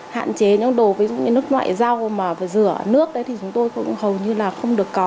hạn chế những đồ ví dụ như nước ngoại rau mà phải rửa nước đấy thì chúng tôi cũng hầu như là không được có